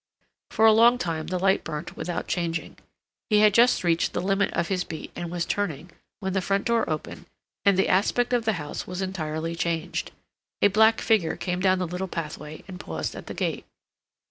For a long time the light burnt without changing. He had just reached the limit of his beat and was turning, when the front door opened, and the aspect of the house was entirely changed. A black figure came down the little pathway and paused at the gate.